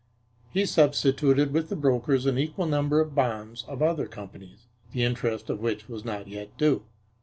He substituted with the brokers an equal number of bonds of other companies, the interest upon which was not yet due.